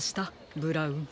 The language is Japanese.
ブラウン。